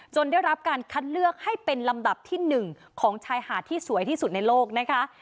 ได้รับการคัดเลือกให้เป็นลำดับที่๑ของชายหาดที่สวยที่สุดในโลกนะคะ